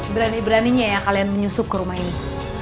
berani beraninya ya kalian menyusup ke rumah ini